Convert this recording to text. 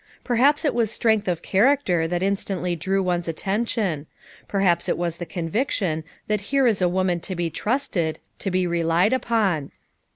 Perhaps it was strength of char acter that instantly drew one's attention; per haps it was the conviction that here was a woman to be trusted, to be relied upon.